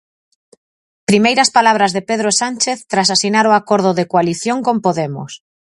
Primeiras palabras de Pedro Sánchez tras asinar o acordo de coalición con Podemos.